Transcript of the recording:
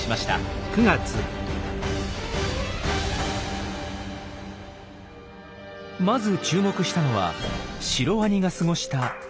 まず注目したのはシロワニが過ごした水深のデータ。